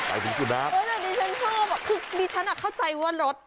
แต่อันนี้ฉันชอบคืออันนี้ฉันเข้าใจว่ารถ